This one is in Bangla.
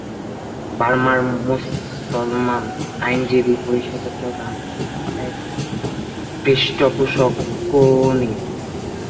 বর্মার মুসলমান আইনজীবী পরিষদের প্রধান এক পৃষ্ঠপোষক কো নী।